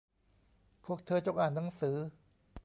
พวกเธอจงอ่านหนังสือ